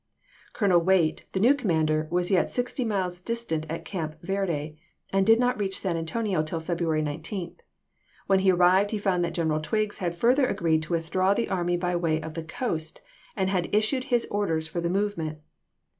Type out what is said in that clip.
i p 515. Colonel Waite, the new commander, was yet oeS^for sixty miles distant at Camp Verde, and did not irisei.*" W R Vol. reach San Antonio till February 19. When he i', p. 591. arrived he found that General Twiggs had further agreed to withdraw the army by way of the coast, and had issued his orders for the movement.